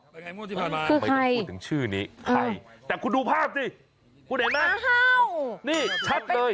เป็นไงม่วงที่ผ่านมาคือใครแต่คุณดูภาพสิคุณเห็นไหมนี่ชัดเลย